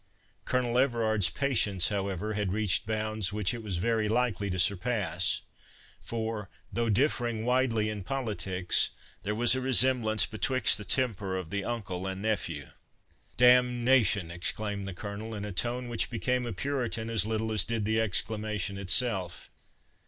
Colonel Everard's patience, however, had reached bounds which it was very likely to surpass; for, though differing widely in politics, there was a resemblance betwixt the temper of the uncle and nephew. "Damnation" exclaimed the Colonel, in a tone which became a puritan as little as did the exclamation itself.